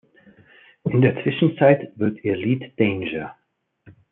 In der Zwischenzeit wird ihr Lied "Danger!